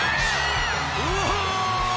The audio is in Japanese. うわ！